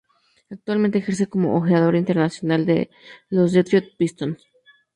Actualmente ejerce como ojeador internacional de los Detroit Pistons.